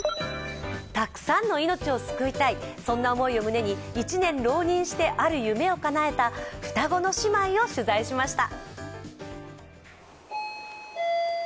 たくさんの命を救いたいそんな思いを胸に１年浪人して、ある夢をかなえた双子の姉妹を取材しました。